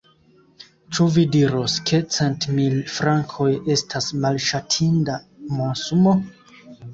Ĉu vi diros, ke centmil frankoj estas malŝatinda monsumo?